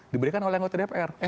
diberikan oleh anggota dpr